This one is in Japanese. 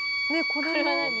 これは何？